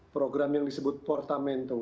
program yang disebut portamento